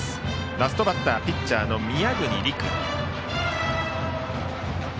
ラストバッターピッチャーの宮國凌空。